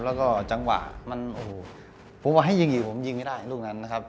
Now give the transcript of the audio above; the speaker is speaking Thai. แล้วก็จังหวะมันโอ้โหผมว่าให้ยิงอีกผมยิงไม่ได้ลูกนั้นนะครับ